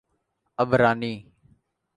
عبرانی